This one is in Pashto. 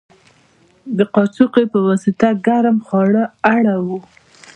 د کاچوغې په واسطه ګرم خواړه اړوو.